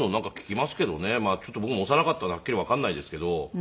まあちょっと僕も幼かったんではっきりわかんないですけど。